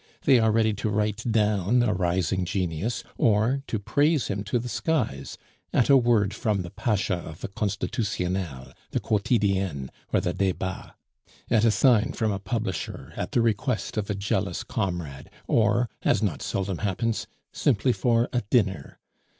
They are ready to write down a rising genius or to praise him to the skies at a word from the pasha of the Constitutionnel, the Quotidienne, or the Debats, at a sign from a publisher, at the request of a jealous comrade, or (as not seldom happens) simply for a dinner.